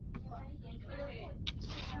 证明了在团体中不同意见的重要性。